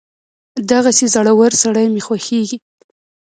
دغسې زړور سړی مې خوښېږي.